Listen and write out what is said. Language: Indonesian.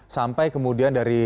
sampai kemudian dari